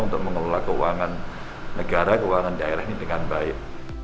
untuk mengelola keuangan negara keuangan daerah ini dengan baik